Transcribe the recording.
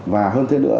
và hơn thế nữa